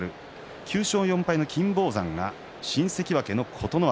９勝４敗の金峰山が新関脇の琴ノ若。